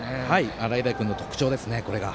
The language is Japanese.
洗平君の特徴ですね、これが。